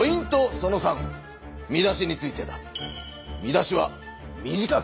その３見出しについてだ。